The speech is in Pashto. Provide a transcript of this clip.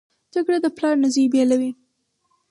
جګړه د پلار نه زوی بېلوي